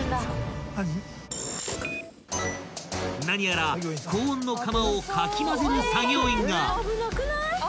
［何やら高温のかまをかき混ぜる作業員が］